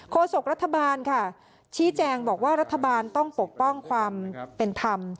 โศกรัฐบาลค่ะชี้แจงบอกว่ารัฐบาลต้องปกป้องความเป็นธรรม